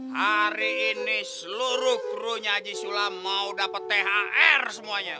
hari ini seluruh kru haji sulam mau dapet thr semuanya